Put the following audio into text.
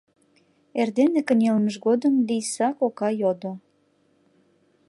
Эрдене кынелмыж годым Лийса кока йодо: